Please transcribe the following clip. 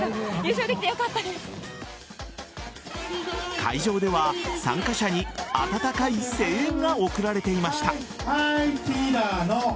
会場では参加者に温かい声援が送られていました。